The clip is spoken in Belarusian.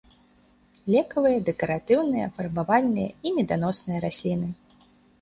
Лекавыя, дэкаратыўныя, фарбавальныя і меданосныя расліны.